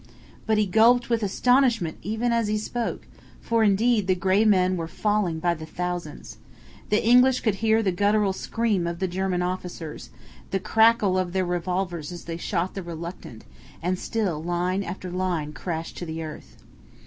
But he gulped with astonishment even as he spoke, for, indeed, the gray men were falling by the thousands. The English could hear the guttural scream of the German officers, the crackle of their revolvers as they shot the reluctant; and still line after line crashed to the earth.